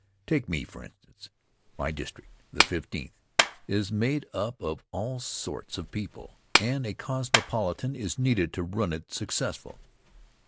Take me, for instance. My district, the Fifteenth, is made up of all sorts of people, and a cosmopolitan is needed to run it successful.